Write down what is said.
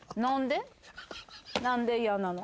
何で嫌なの？